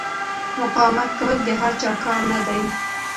مقاومت کول د هر چا کار نه دی.